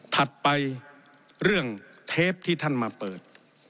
ถัดไปเรื่องเทปที่ท่านมาเปิด